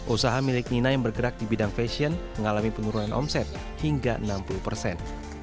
usaha milik nina yang bergerak di bidang fashion mengalami penurunan omset hingga enam puluh persen